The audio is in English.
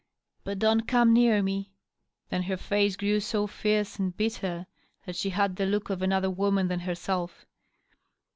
•. But don't come near me." Then her face grew so fierce and bitter that she had the look of another woman than herself.